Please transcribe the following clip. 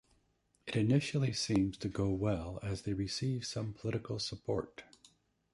It initially seems to go well as they receive some political support.